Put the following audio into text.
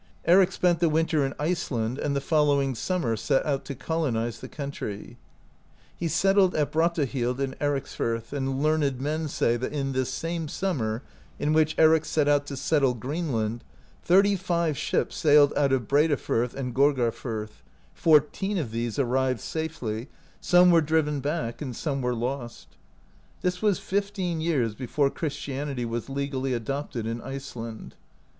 Eric spent the winter in Ice land, and the following summer set out to colonize the country. He settled at Brattahlid in Ericsfirth, and learned men say that in this same summer, in which Eric set out to settle Greenland, thirt}' five ships sailed out of Breidafirth and Gorgarfirth ; fourteen of these arrived safely, some were driven back and some were 7 75 AMERICA DISCOVERED BY NORSEMEN lost. This was fifteen years before Christianity was legally adopted in Iceland.